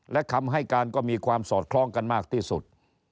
และคำให้การก็มีความสอดคล้องกันมากที่สุด